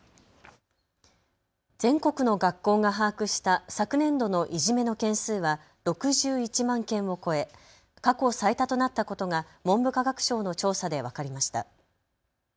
全国の学校が把握した昨年度のいじめの件数は６１万件を超え過去最多となったことが文部科学省の調査で分かりました。